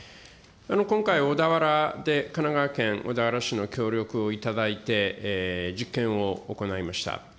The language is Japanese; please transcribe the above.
今回、小田原で神奈川県小田原市の協力をいただいて、実験を行いました。